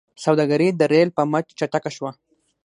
سوداګري د ریل په مټ چټکه شوه.